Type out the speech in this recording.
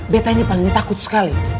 beta ini paling takut sekali